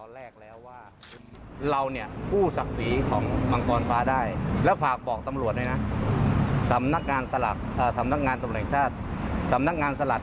เราก็ไม่ได้เดินต่อธุรกิจต่อเลยครับ